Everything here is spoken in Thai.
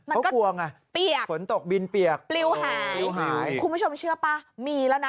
เขากลวงน่ะผลตกบินเปียกปลิวหายคุณผู้ชมเชื่อป่ะมีแล้วนะ